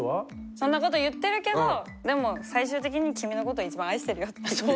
そんなこと言ってるけどでも最終的に君のことを一番愛してるよっていう意味。